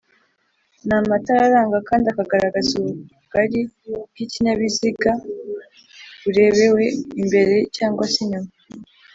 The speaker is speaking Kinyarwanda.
ni amatara aranga kandi akagaragaza ubugali bw’ikinyabiziga burebewe imbere cg se inyuma